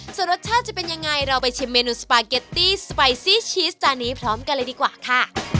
ส่วนรสชาติจะเป็นยังไงเราไปชิมเมนูสปาเกตตี้สไปซี่ชีสจานนี้พร้อมกันเลยดีกว่าค่ะ